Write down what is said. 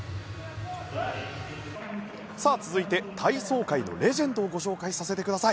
続いて、体操界のレジェンドをご紹介させてください。